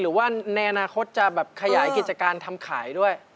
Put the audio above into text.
หรือว่าในอนาคตจะแบบขยายกิจการทำขายด้วย